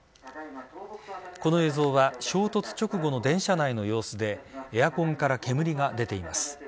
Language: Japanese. この映像は衝突直後の電車内の様子でエアコンから煙が出ています。